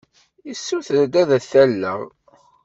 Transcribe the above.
Yessuter-d ad t-alleɣ.